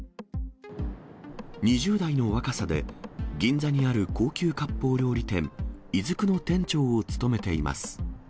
２０代の若さで銀座にある高級かっぽう料理店、いづくの店長を務めています。